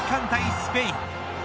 スペイン。